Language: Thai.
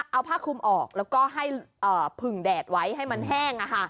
เอาผ้าคลุมออกแล้วก็ให้ผึ่งแดดไว้ให้มันแห้ง